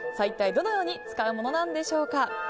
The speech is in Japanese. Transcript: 一体どのように使うものなんでしょうか。